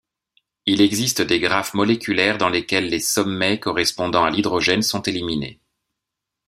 Il existe des graphes moléculaires dans lesquels les sommets correspondant à l'hydrogène sont éliminés.